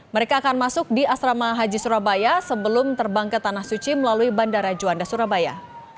mereka akan masuk di asrama haji surabaya sebelum terbang ke tanah suci melalui bandara juanda surabaya